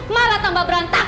malah tambah berantakan